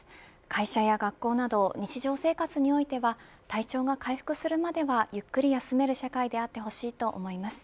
会社や学校など日常生活においては体調が回復するまではゆっくり休める社会であってほしいと思います。